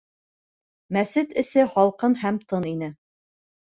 Мәсет эсе һалҡын һәм тын ине.